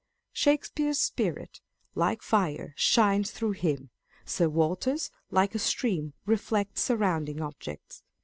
Shakespeare's spirit, like fire, shines through him : Sir Walter's, like a stream, reflects surrounding objects.